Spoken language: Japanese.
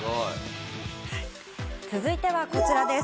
続いてはこちらです。